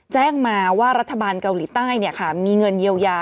แจ้งมาว่ารัฐบาลเกาหลีใต้มีเงินเยียวยา